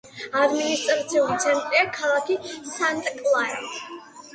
ადმინისტრაციული ცენტრია ქალაქი სანტა-კლარა.